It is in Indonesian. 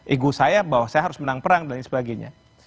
ego saya bahwa saya harus menang perang dan lain sebagainya